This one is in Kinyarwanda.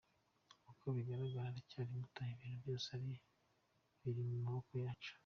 Uko bigaragara aracyari muto, ibintu byose biri mu maboko yacu.